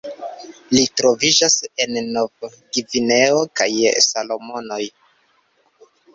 Ĝi troviĝas en Novgvineo kaj Salomonoj.